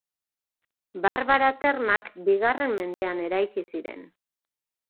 Barbara termak bigarren mendean eraiki ziren.